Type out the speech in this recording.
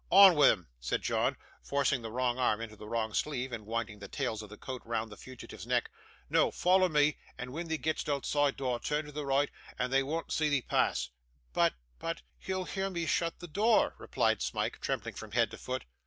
'On wi' 'em,' said John, forcing the wrong arm into the wrong sleeve, and winding the tails of the coat round the fugitive's neck. 'Noo, foller me, and when thee get'st ootside door, turn to the right, and they wean't see thee pass.' 'But but he'll hear me shut the door,' replied Smike, trembling from head to foot.